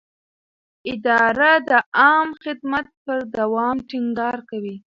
اداره د عامه خدمت پر دوام ټینګار کوي.